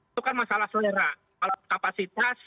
itu kan masalah selera kapasitas